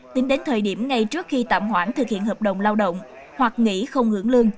tính đến thời điểm ngay trước khi tạm hoãn thực hiện hợp đồng lao động hoặc nghỉ không hưởng lương